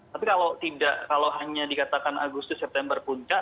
tapi kalau tidak kalau hanya dikatakan agustus september puncak